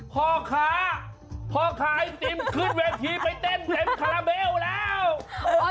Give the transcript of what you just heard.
พ่อค้าพ่อขายไอติมขึ้นเวทีไปเต้นเต็มคาราเบลแล้ว